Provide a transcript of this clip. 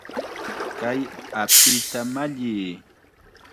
¡Kay apita malliy!